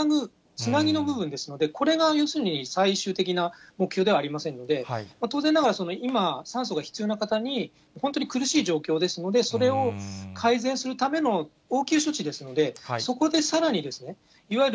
つなぎの部分ですので、これが要するに最終的な目標ではありませんので、当然ながら、今、酸素が必要な方に、本当に苦しい状況ですので、それを改善するための、応急処置ですので、そこでさらにですね、いわゆる